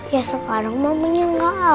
ya sekarang mamenya gak ada